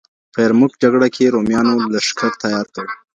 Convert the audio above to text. په يرموک جګړه کي روميانو لښکر تيار کړ.